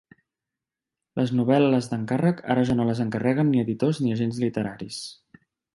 Les novel·les d'encàrrec ara ja no les encarreguen ni editors ni agents literaris.